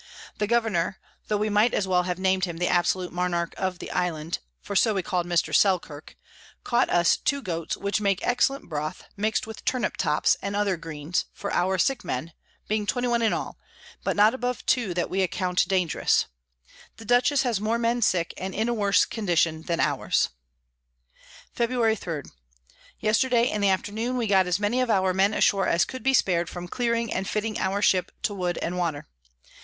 The Governour (tho we might as well have nam'd him the Absolute Monarch of the Island) for so we call'd Mr. Selkirk, caught us two Goats, which make excellent Broth, mix'd with Turnip Tops and other Greens, for our sick Men, being 21 in all, but not above two that we account dangerous; the Dutchess has more Men sick, and in a worse condition than ours. [Sidenote: In the Road of Juan Fernandez.] Febr. 3. Yesterday in the Afternoon we got as many of our Men ashore as could be spar'd from clearing and fitting our Ship, to wood and water.